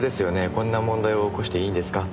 こんな問題を起こしていいんですか？